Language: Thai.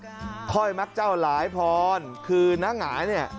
และก็มีการกินยาละลายริ่มเลือดแล้วก็ยาละลายขายมันมาเลยตลอดครับ